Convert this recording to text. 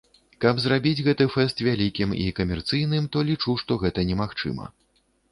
Каб зрабіць гэты фэст вялікім і камерцыйным, то лічу, што гэта немагчыма.